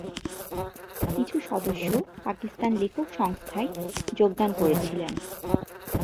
কিছু সদস্য পাকিস্তান লেখক সংস্থায় যোগদান করেছিলেন।